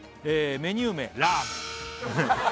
メニュー名ラーメン